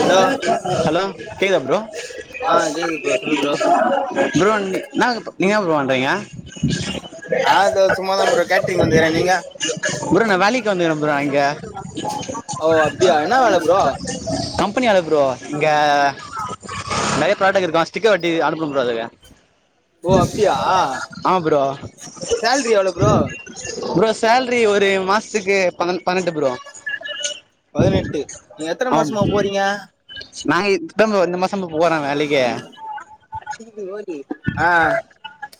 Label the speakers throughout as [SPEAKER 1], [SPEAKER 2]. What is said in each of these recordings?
[SPEAKER 1] Hello
[SPEAKER 2] hello கேக்தா bro
[SPEAKER 1] ஆ கேக்குது ப்ரோ சொல்லு ப்ரோ
[SPEAKER 2] ப்ரோ நீ நாங்கப் நீங்க என்ன ப்ரோ பண்றிங்க
[SPEAKER 1] நா அத சும்மாதா ப்ரோ கேட்டரிங் வந்துக்கறே நீங்க
[SPEAKER 2] ப்ரோ நான் வேலைக்கு வந்துக்கிறேன் ப்ரோ இங்க
[SPEAKER 1] ஓ அப்டியா என்ன வேல ப்ரோ
[SPEAKER 2] கம்பெனி வேலப் ப்ரோ இங்க நெறைய ப்ராடக்ட் இருக்கு ஸ்டிக்கர் ஓட்டி அனுப்புனு ப்ரோ அதுக்கு
[SPEAKER 1] ஓ அப்டியா
[SPEAKER 2] ஆமா ப்ரோ
[SPEAKER 1] சேல்ரி எவ்வளோ ப்ரோ
[SPEAKER 2] ப்ரோ சேலரி ஒரு மாசத்துக்கு பனன் பன்னென்டு ப்ரோ
[SPEAKER 1] பதினெட்டு நீங்க எத்தன மாசமா போறீங்க
[SPEAKER 2] நா இப்தா ப்ரோ இந்த மா சம போற வேலைக்கே
[SPEAKER 1] லி ஆஹ்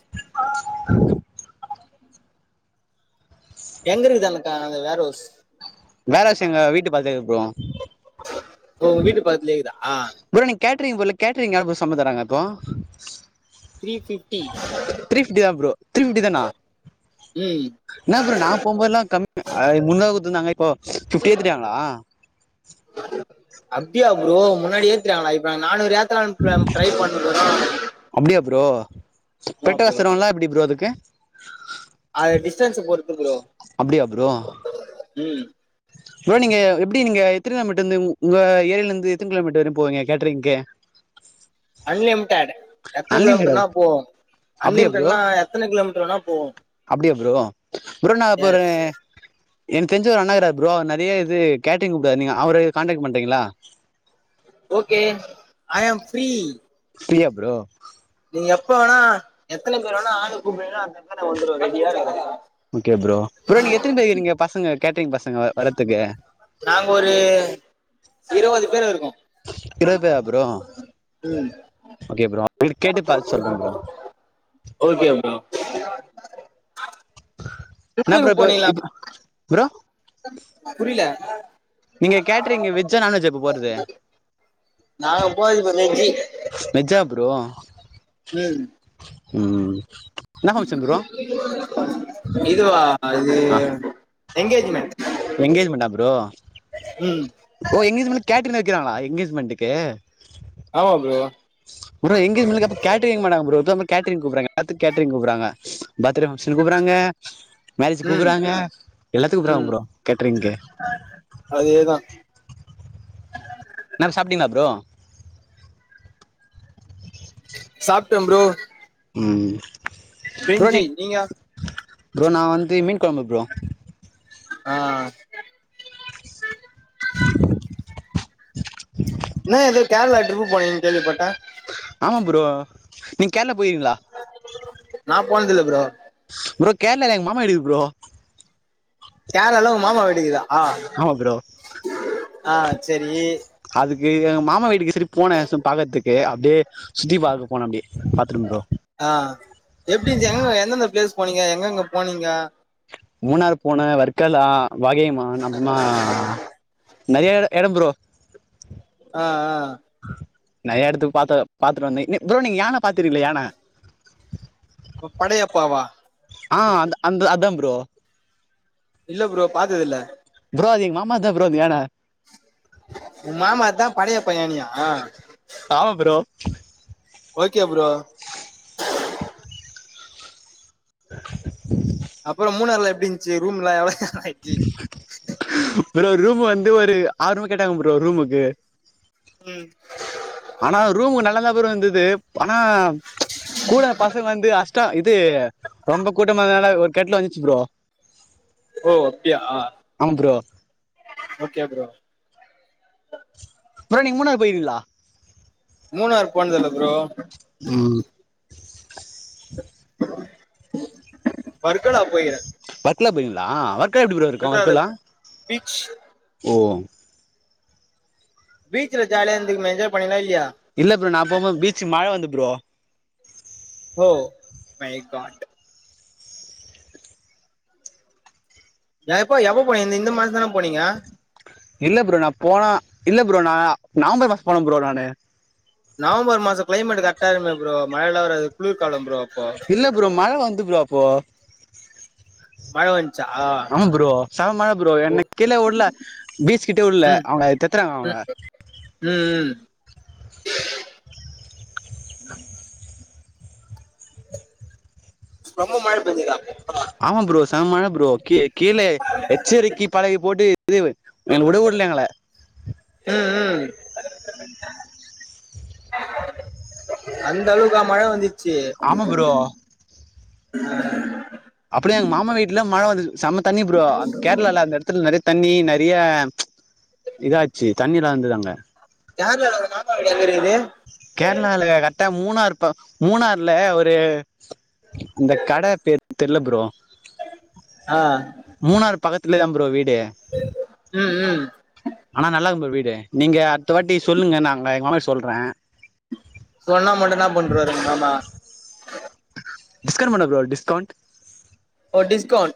[SPEAKER 2] ஆஹ்
[SPEAKER 1] எங்க இருக்குது அன்க்கா அந்த வேரவுஸ்
[SPEAKER 2] வேறவுஸ் ங்க வீட்டு பாத்து ப்ரோ
[SPEAKER 1] ஓ வீட்டு பக்கத்துலேருக்தா ஆஹ்
[SPEAKER 2] கேட்ரிங் போரில கேட்ரிங் எவ்ளோ ப்ரோ சம்பளோ தராங் இப்போ
[SPEAKER 1] த்ரீ ஃபிஃப்டி
[SPEAKER 2] த்ரீ பிப்டி தான் ப்ரோ த்ரீ பிப்டி தானா
[SPEAKER 1] ம்
[SPEAKER 2] என் ப்ரோ நா போவும்போதலாம் கம் முன்னூறு குடுத்நாங்க இப்போ பிப்டி எதிட்டாங்களா
[SPEAKER 1] அப்டியா ப்ரோ முன்னாடி ஏத்திடாங்களா இப்ப நானூறு ஏத் த்தளான் ட்ரை பண்ணுகுர
[SPEAKER 2] அப்டியா ப்ரோ
[SPEAKER 1] ஆமா
[SPEAKER 2] பேட்டா
[SPEAKER 1] ப்ரோ
[SPEAKER 2] காசு தருவாங்க்லா எப்டி ப்ரோ அதுக்கு
[SPEAKER 1] அது டிஸ்டன்ஸ பொர் ருத்து ப்ரோ
[SPEAKER 2] அப்டியா ப்ரோ
[SPEAKER 1] உம்
[SPEAKER 2] ப்ரோ நீங்க எப்டி நீங்க எத்தன்ன மீட்டர்ல இருந்து உ உங்க ஏரியில இருந்து எத்தினா கிலோமீட்டர் வர போவீங்க கேட்டரிங்கு
[SPEAKER 1] லீம் தானு எத்துன கிலோமீட்டர்னா போவோ
[SPEAKER 2] அப்டியா ப்ரோ
[SPEAKER 1] அன்லிமிடட்னா எத்தனை கிலோமீட்டர் வேனா போவம்
[SPEAKER 2] அப்டியா ப்ரோ ப்ரோ நா இப்ப ஒரு
[SPEAKER 1] எஸ்
[SPEAKER 2] எனக்கு தெரிஞ்ச ஒரு அண்ணா இருக்றார் ப்ரோ அவர் நிறைய இது கேட்ரிங் கூப்டுவாறு நீங்க அவர காண்டேக்ட் பண்றீங்களா
[SPEAKER 1] ஓகே ஐ ஆம் ஃப்ரீ
[SPEAKER 2] ஃப்ரீயா ப்ரோ
[SPEAKER 1] நீ எப்ப வேணா எத்தன பேர் வேனா ஆளு கூப்ரிங்லோ டுத்த ம்சோ வந்துரு ரெடியா இருங்க
[SPEAKER 2] ஓகே ப்ரோ ப்ரோ நீங்க எத்தினி பேர் இருக்கீங்க பசங்க கேட்ரி்ங் பசங்க வரதுக்கு
[SPEAKER 1] நாங்க ஒரு இருபது பேர் இருக்கோ
[SPEAKER 2] இருவது பேரா ப்ரோ
[SPEAKER 1] ம்
[SPEAKER 2] ஓகே ப்ரோ அவங்கள்ட்ட கேட்டு பாத்து சொல்றே ப்ரோ
[SPEAKER 1] ஓகே ப்ரோ
[SPEAKER 2] என்ன ப்ரோ இப்ப இப்ப ப்ரோ
[SPEAKER 1] புரில
[SPEAKER 2] நீங்க கேட்ரிங் வெஜ்ஜா நான்வெஜ்ஜா இப்ப போறது
[SPEAKER 1] நாங்க போறது இப்ப வெஜ்ஜி
[SPEAKER 2] மெஜ்ஜா ப்ரோ
[SPEAKER 1] ம்
[SPEAKER 2] உம்
[SPEAKER 1] இதுவா இது
[SPEAKER 2] ஆ
[SPEAKER 1] எங்கேஜ்மெண்ட்
[SPEAKER 2] எங்கேஜ்மெண்டா ப்ரோ
[SPEAKER 1] ம்
[SPEAKER 2] வக்கிறாங்களா எங்கேஜ்மெண்ட்க்கு
[SPEAKER 1] ஆமா ப்ரோ
[SPEAKER 2] ப்ரோ எங்கேஜ்மெண்ட்க்லா அப்போ கேட்ரிங் வக்க மாட்டாங்க ப்ரோ இப்போ தா ப்ரோ கேட்ரிங் கூப்டுறாங்க எல்லாதுக்கு கேட்ரிங் கூப்டுறாங்க பர்த்டே பங்க்ஷன்க்கு கூப்டுறாங்க மேரேஜ்க்கு
[SPEAKER 1] ம்
[SPEAKER 2] கூப்டுறாங்க எல்லாதுக்கு கூப்டுறாங்க
[SPEAKER 1] ம்
[SPEAKER 2] ப்ரோ கேட்ரிங்க்கு
[SPEAKER 1] அதேதான்
[SPEAKER 2] இன்னா சாப்டீங்களா ப்ரோ
[SPEAKER 1] சாப்ட்டே ப்ரோ
[SPEAKER 2] ம் ப்ரோ நீ
[SPEAKER 1] பிரிஞ்சி நீங்க
[SPEAKER 2] ப்ரோ நா வந்து மீன் கொழம்பு ப்ரோ
[SPEAKER 1] ஆ என்ன ஏது கேரளா ட்ரிப் போனீங்கன்னு கேள்விப்பட்டே
[SPEAKER 2] ஆமா ப்ரோ நீங்க கேரளா போய்ருக்கீங்களா
[SPEAKER 1] நா போனதில்ல ப்ரோ
[SPEAKER 2] ப்ரோ கேரளால எங்க மாமா வீடு இருக்கு ப்ரோ
[SPEAKER 1] கேரளால்ல உங்க மாமா வீடுருக்குதா ஆ
[SPEAKER 2] ஆமா ப்ரோ
[SPEAKER 1] ஆ செரி
[SPEAKER 2] அதுக்கு எங்க மாமா வீட்டுக்கு சரி போனே சும்மா பாக்குறதுக்கு அப்டியே சுத்தி பாக்க போனே அப்டியே பாத்துட்டே ப்ரோ
[SPEAKER 1] ஆ எப்டிருந்ச்சி எங்க எந்தெந்த பிளேஸ் போனீங்க எங்க எங்க போனீங்க
[SPEAKER 2] மூணாறு போனே வர்க்கலா வாகையம்மா நம்மா நெறய எ எடம் ப்ரோ
[SPEAKER 1] ஆஹ் ஆஹ் ஆ
[SPEAKER 2] நெறைய எடத்துக்கு பாத்து பாத்துட்டு வந்தே நீ ப்ரோ நீங்க யான பாத்துரீல யான
[SPEAKER 1] படையப்பாவா
[SPEAKER 2] ஆஹ் அ அந்த அது ப்ரோ
[SPEAKER 1] இல்ல ப்ரோ பாத்ததில்ல
[SPEAKER 2] ப்ரோ அது எங்க மாமா தா ப்ரோ அந்த யான
[SPEAKER 1] உ மாமா தா படையப்பா யானயா
[SPEAKER 2] ஆமா ப்ரோ
[SPEAKER 1] ஓக் கே ப்ரோ அப்புறம் மூணார்ல எப்படிந்துச்சு ரூம்லா எவ்ள
[SPEAKER 2] ப்ரோ ரூம் வந்து ஒரு ஆறு ரூம் கேட்டாங்க ப்ரோ ரூமுக்கு ஆனா ரூம்க நல்லதா வந்தது ஆனா கூட பசங்க வந்து அஷ்டம் இது ரொம்ப கூட்டம்னால ஒரு கெட்டல வந்துச்சு ப்ரோ
[SPEAKER 1] ஓ அப்டியா
[SPEAKER 2] ஆமா ப்ரோ
[SPEAKER 1] ஓகே ப்ரோ
[SPEAKER 2] ப்ரோ நீங்க மூனாறு போயிருகிங்ளா
[SPEAKER 1] மூணாறு போனதில்ல ப்ரோ
[SPEAKER 2] ம்
[SPEAKER 1] பர்க்கலா போய்க்ற
[SPEAKER 2] பர்க்லா போயிர்ங்களா ஒர்க் பர்க்கலா எப்படி இருக்கு ஒர்க்
[SPEAKER 1] வர்கலால
[SPEAKER 2] எல்லா
[SPEAKER 1] பீச் பீச்சல ஜாலியா இருந்தீங்கலா என்ஜாய் பண்ணீங்கலா யா
[SPEAKER 2] இல்ல ப்ரோ நா போம்போ பீச்சு மழை வந்து ப்ரோ
[SPEAKER 1] ஓ மை காட் எப்போ எப்ப போனீங்க இந்த மாசந்தானே போனீங்க
[SPEAKER 2] இல்ல ப்ரோ நா போனா இல்ல ப்ரோ நா நவம்பர் மாசம் போன ப்ரோ நானு
[SPEAKER 1] நவம்பர் மாசம் கிளைமேட் கரொக்டா இருக்குமே ப்ரோ மழ எல்லா வராது குளர்காலம் ப்ரோ அப்போ
[SPEAKER 2] இல்ல ப்ரோ மழை வந்து ப்ரோ அப்போ
[SPEAKER 1] மழ வஞ்
[SPEAKER 2] ஆமா ப்ரோ செம மழ ப்ரோ
[SPEAKER 1] ஓ
[SPEAKER 2] என்ன கீழ விடல பீச்ச கிட்ட விடல
[SPEAKER 1] ம்
[SPEAKER 2] அவுங்க துரத்துறாங்க அவங்க
[SPEAKER 1] ம் ம்
[SPEAKER 2] ஆஹ
[SPEAKER 1] ரொம்ப மழை பெஞ்சுதா
[SPEAKER 2] ஆமா ப்ரோ செம மழ ப்ரோ கே கீழே எச்சரிக்கி பலக போட்டு இது விட விடல எங்கள
[SPEAKER 1] ம் ம்
[SPEAKER 2] உஹூம்
[SPEAKER 1] அந்த அளவுக்கா மழ வந்
[SPEAKER 2] ஆமா ப்ரோ
[SPEAKER 1] ஆஹ
[SPEAKER 2] அப்படியே எங்க மாமா வீட்ல மழ வந்துச் செம தண்ணி ப்ரோ அந்த கேரளால அந்த இடத்துல நெறய தண்ணி நெறயா ப்ச் இதாச்சு தண்ணியெல்லா வந்தது அங்க.
[SPEAKER 1] கேரளால உங்க மாமா வீடு எங்க இருக்கு
[SPEAKER 2] கேரளால கரெக்டா மூணார் ப மூணார்ல ஒரு அந்த கட பேர் தெர்ல ப்ரோ.
[SPEAKER 1] ஆஹ்
[SPEAKER 2] மூணார் பக்கத்துல தா ப்ரோ வீ டு
[SPEAKER 1] ம் ம்
[SPEAKER 2] ஆனா நல்லா இருக்கு ப்ரோ வீ டு நீங்க அடுத்த வாட்டி சொல்லுங்க நாங்க எங்க மாமாகிட்ட சொல்றேன்.
[SPEAKER 1] சொன்னா மட்டும்தா பண்ருவாரு எங்க மாமா
[SPEAKER 2] டிஸ்கவுண்ட் பண்ணுவாரா ப்ரோ டிஸ்கவுண்ட்
[SPEAKER 1] ஓ டிஸ்கவுண்ட்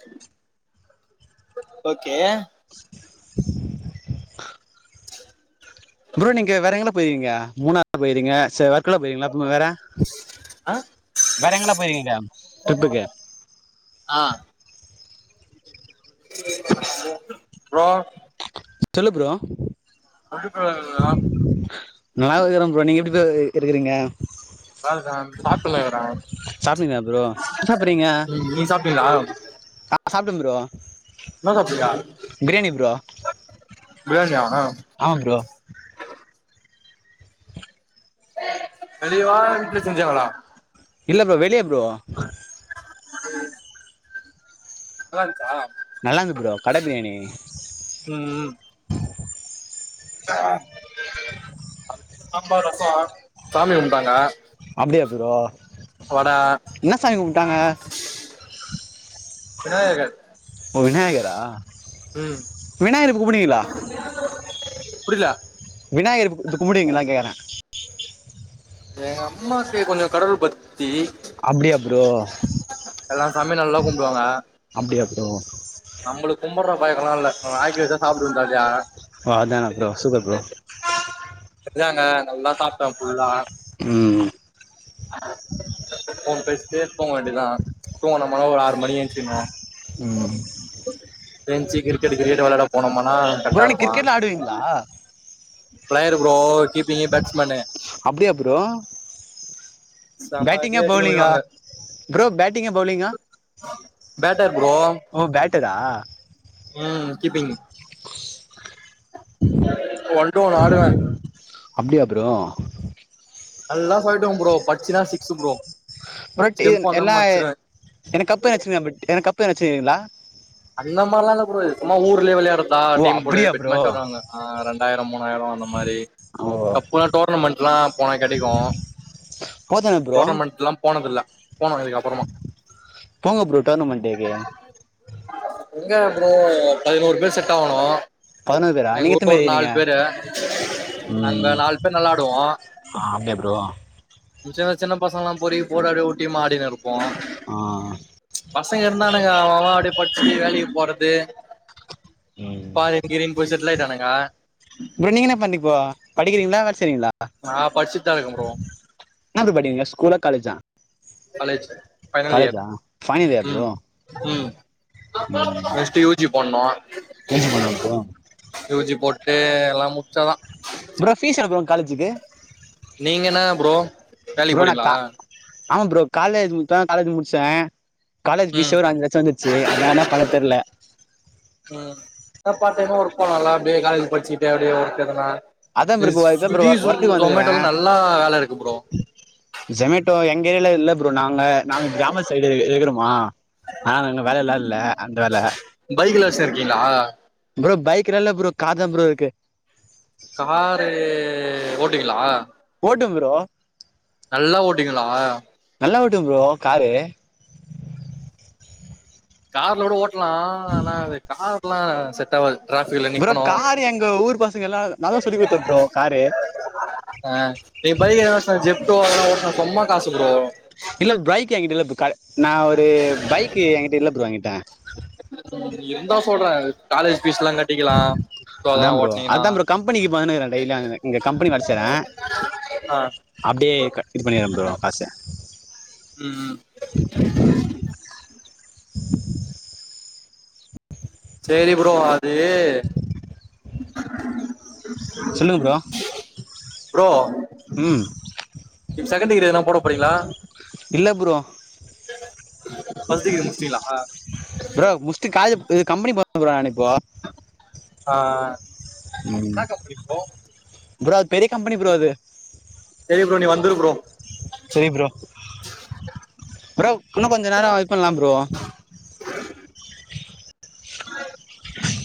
[SPEAKER 1] ஓகே
[SPEAKER 2] [unintelligible]
[SPEAKER 1] [inaudible]
[SPEAKER 2] ப்ரோ நீங்க வேற எங்கன போயிர்வீங்க. மூணாறு போயிர்வீங்க சே வே க்குல போயிர்வீங்களா பு வேற வேரெங்கன போய்ருவிங்க
[SPEAKER 1] ஆஹ் ப்ரோ
[SPEAKER 2] சொல்லு ப்ரோ நல்லா இருக்கிறோம் ப்ரோ. நீங்க எப்டி ப்ரோ இரு இருக்கிறீங்க.
[SPEAKER 1] நல்லாருக்கே சாப்டல இவரே
[SPEAKER 2] சாப்டீங்களா ப்ரோ என்ன சாப்பறீங்க
[SPEAKER 1] நீ நீ சாப்டீங்களா
[SPEAKER 2] சாப்ட்டே ப்ரோ
[SPEAKER 1] என்ன சாப்டீங்க
[SPEAKER 2] பிரியாணி ப்ரோ
[SPEAKER 1] பிரியாணியா
[SPEAKER 2] ஆமா ப்ரோ
[SPEAKER 1] வெளியவா வீட்ல செஞ்சாங்களா
[SPEAKER 2] இல்ல ப்ரோ வெளிய ப்ரோ
[SPEAKER 1] [inaudible] நல்லாருன்ச்சா
[SPEAKER 2] நல்லாந்தது ப்ரோ கட பிரியாணி
[SPEAKER 1] ஆஹ சாம்பார் ரசோ சாமி கும்டாங்க
[SPEAKER 2] [unintelligible] ப்ரோ என்ன சாமி கும்டாங்க
[SPEAKER 1] விநாயகர்
[SPEAKER 2] ஓ விநாயகரா
[SPEAKER 1] ம்
[SPEAKER 2] விநாயகர்க்கு கும்புடுவீங்களா
[SPEAKER 1] புரில
[SPEAKER 2] விநாயகர்க்கு கும்புடுவீங்களானு கேக்கறேன்
[SPEAKER 1] எங்க அம்மாக்கு கொஞ்சோ கடவுள் பக்தி
[SPEAKER 2] அப்டியா ப்ரோ
[SPEAKER 1] எல்லா சாமி நல்லா கும்டுவாங்க
[SPEAKER 2] அப்படியா ப்ரோ
[SPEAKER 1] நம்பளுக்கும் கும்புர்ர பழக்களாம் இல்ல நம்ம வாய்க்கு ருசியா சாப்ட்டு வந்தாச்சா
[SPEAKER 2] வாதானா ப்ரோ சூப்பர் ப்ரோ
[SPEAKER 1] இதாங்க நல்லா சாப்டே ஃபுல்லா
[SPEAKER 2] ம் ம்
[SPEAKER 1] ஃபோன் பேசிட்டே தூங்க வேண்டியதா தூங்கனுமா ஒரு ஆறு மணிக்கு எந்ச்சிகினு என்ச்சு கிரிக்கெட் கிரிக்கெட் வெளயாட போனோமா ஆ
[SPEAKER 2] ப்ரோ
[SPEAKER 1] கர்ட்டா
[SPEAKER 2] நீ
[SPEAKER 1] இருக்கு
[SPEAKER 2] கிரிக்கெட்ல ஆடுவீங்களா
[SPEAKER 1] பிளேயர் ப்ரோ கீப்பிங்கு பேட்ஸ்மேனு
[SPEAKER 2] அப்படியா ப்ரோ
[SPEAKER 1] செம அடி
[SPEAKER 2] பேட்டிங்கா
[SPEAKER 1] அடிக்கு
[SPEAKER 2] பௌலிங்கா
[SPEAKER 1] விழுவாங்க
[SPEAKER 2] ப்ரோ பேட்டிங்கா பௌலிங்கா
[SPEAKER 1] பேட்டர் ப்ரோ
[SPEAKER 2] ஓ பேட்டரா
[SPEAKER 1] ம் கீப்பிங் ஒன் டு ஒன் ஆடுவே
[SPEAKER 2] அப்டியா ப்ரோ
[SPEAKER 1] அதுதா சொல்ட்டம் ப்ரோ பட்ச்சுனா சிக்ஸு ப்ரோ
[SPEAKER 2] பட் என்
[SPEAKER 1] ஸ்டெம்ப் அந்த
[SPEAKER 2] என்னா
[SPEAKER 1] மடிச்சிருவே
[SPEAKER 2] எனக் கப் எதா அச்சிருக்காங்ளா பிட் எதா கப் எதா வெச்சுருக்கிங்ளா
[SPEAKER 1] அந்த மார்லா இல்ல ப்ரோ இது சும்மா ஊர்லயே வெளையா ட்றதா‌
[SPEAKER 2] ஓ
[SPEAKER 1] டீம் போட்டு
[SPEAKER 2] அப்படியா
[SPEAKER 1] பெட்
[SPEAKER 2] ப்ரோ
[SPEAKER 1] மேட்ச் விளாடுவாங்க ஆ ரென் நா என்னமோ அந்த மாரி
[SPEAKER 2] ஓ
[SPEAKER 1] கப்னா டோர்னமெண்ட்லா போனா கெடைக்கு
[SPEAKER 2] போதானே ப்ரோ
[SPEAKER 1] டோர்னமெண்ட்லா போனதில்ல போனு இதுக்கப்புறமா
[SPEAKER 2] போங்க ப்ரோ டோர்னமெண்ட்டுக்கு
[SPEAKER 1] எங்க ப்ரோ பதினோரு பேர் செட் ஆவணு
[SPEAKER 2] பதனொரு பேரா
[SPEAKER 1] எங்க
[SPEAKER 2] நீங்க எத்தன
[SPEAKER 1] ஊர்ல
[SPEAKER 2] பேர்
[SPEAKER 1] ஒரு நாலு
[SPEAKER 2] இருக்கிங்க
[SPEAKER 1] பேரு நாங்க
[SPEAKER 2] ம்
[SPEAKER 1] நாலு பேர் நல்லாடுவோ
[SPEAKER 2] அப்டியா ப்ரோ
[SPEAKER 1] சின்ன சின்ன பசங்கெலா பொறுக்கி போட்டு அப்டிய ஒரு டீமா ஆடினே இரு ப்போ
[SPEAKER 2] ஆ
[SPEAKER 1] பசங்க இருந்தானுங்க அவ அவ அப்டியே ப டிச்சிட்டு வேலைக்கு போறது
[SPEAKER 2] ம்
[SPEAKER 1] ஃபாரின் கீரின் போய் செ ட்லாய்ட்டானுங்க
[SPEAKER 2] ப்ரோ நீங்க என்ன பண்ணிப்போ படிக்கிறீங்ளா வேல செய்றீங்ளா
[SPEAKER 1] நா படிச்சுட்டுதா இருக்கே ப்ரோ
[SPEAKER 2] எனாவ்து படிங்க ஸ்கூலா காலஜா
[SPEAKER 1] college final year
[SPEAKER 2] final year
[SPEAKER 1] ம்
[SPEAKER 2] ப்ரோ
[SPEAKER 1] ம்
[SPEAKER 2] ம்
[SPEAKER 1] நெஸ்ட்டு யூ ஜி போடுணோ
[SPEAKER 2] யூஜி பண்ண ப்ரோ
[SPEAKER 1] யூ ஜி போட் டு எல்லா முட்ச்சாதா
[SPEAKER 2] ப்ரோ ஃபீஸ் எளோ ப்ரோ காலேஜுக்கு
[SPEAKER 1] நீங்க என்னா ப்ரோ வேலைக்
[SPEAKER 2] ப்ரோ நான்
[SPEAKER 1] போறீங்ளா
[SPEAKER 2] கா ஆமா ப்ரோ காலேஜ் முத்தா காலேஜ் முடிச்ச காலேஜ்
[SPEAKER 1] ம்
[SPEAKER 2] பீஸே ஒரு அஞ்சு லட்சொ வந்துருச்சு அதா என்னா பண்ணன் தெர்ல
[SPEAKER 1] இப்ப பார்ட் டைம்மா ஒர்க் பண்ணலா அப்டியே காலேஜு படிச்சுஞ்டே அப்டியே ஒர்க் எதுனா
[SPEAKER 2] அதா ப்ரோ இப்ப அதா ப்ரோ ஒர் ஒர்க்குக்கு வந்துக்குறே
[SPEAKER 1] நல்லா வேல இருக்கு ப்ரோ
[SPEAKER 2] சோமேட்டோ இங் கே எல்லா இல்ல ப்ரோ நாங்க நாங்க கிராம சைட் இ இருக்குறோமா ஆனால இங்க வேல எல்லா இல்ல அந்த வேல
[SPEAKER 1] பைக்ல வச்சிருக்கீங்களா
[SPEAKER 2] ப்ரோ பைக்ல்லா இல்ல ப்ரோ கார்தா பரோ இருக்கு
[SPEAKER 1] காரு ஓட்டுவீங்களா
[SPEAKER 2] ஓட்டுவ ப்ரோ
[SPEAKER 1] நல்லா ஓட்டுவீங்களா
[SPEAKER 2] டுவே ப்ரோ காரு
[SPEAKER 1] கார்ல கூட ஓட் லா ஆனா அது கா ல்லா செட்டாவாது
[SPEAKER 2] ப்ரோ கார் எங்க ஊர் பாசங்க எல்லா நா தா சொல்லி குடுத்தே ப்ரோ காரு
[SPEAKER 1] சொ அதுவா ஒருத சொம்ம காசு ப்ரோ
[SPEAKER 2] இல்ல பைக் எங்கிட்ட இல்ல பா கால் நா ஒரு பைக் எங்கிட்ட இல்ல ப்ரோ எங்கிட் ட
[SPEAKER 1] எந்தா சொல்றே அது காலேஜ் ஃபீஸ்லா கட்டிக்கலா
[SPEAKER 2] அதா
[SPEAKER 1] அதெல்லா
[SPEAKER 2] ப்ரோ
[SPEAKER 1] ஓட்னீங்கன்னா
[SPEAKER 2] அதா ப்ரோ கம்பெனிக்கு பன்னுன்னுக்குற டெய்லியொ அங்க இங்க கம்பெனி வேலச் சைரே
[SPEAKER 1] ஆ
[SPEAKER 2] அப்டியே க இது பண்ணிடுறே ப்ரோ காசு
[SPEAKER 1] ம் ம் சேரி ப்ரோ அது
[SPEAKER 2] சொல்லுங்க ப்ரோ
[SPEAKER 1] ப்ரோ
[SPEAKER 2] ம்
[SPEAKER 1] செகன்ட் டிகிரி எதனா போட போறீங்களா
[SPEAKER 2] இல்ல ப்ரோ
[SPEAKER 1] [unintelligible] முச்டிங்களா
[SPEAKER 2] ப்ரோ முஷ்டு கா இது கம்பெனி போற ப்ரோ நானு
[SPEAKER 1] ஆஹ் ஆஹ் இன்னா கம்பனி ப்ரோ
[SPEAKER 2] ப்ரோ அது பெரிய கம்பனி ப்ரோ அது
[SPEAKER 1] சேரி ப்ரோ நீ வந்துரு ப்ரோ
[SPEAKER 2] சரி ப்ரோ ப்ரோ இன்னொ கொஞ்ச நேரொ இது பண்ணலா ப்ரோ
[SPEAKER 1] [unintelligible]
[SPEAKER 2] [unintelligible]